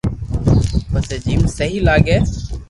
پسو جيم سھي لاگي